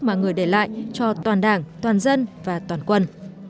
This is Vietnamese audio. mà người để lại cho toàn đảng toàn dân và toàn quân